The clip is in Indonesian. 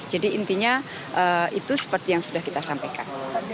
jadi intinya itu seperti yang sudah kita sampaikan